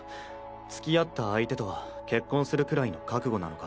つきあった相手とは結婚するくらいの覚悟なのか？